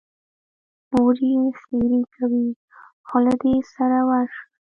مور یې ښېرې کوي: خوله دې سره ورشه.